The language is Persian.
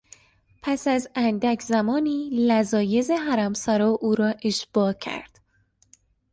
پس از اندک زمانی، لذایذ حرمسرا او را اشباع کرد.